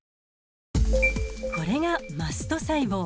これがマスト細胞。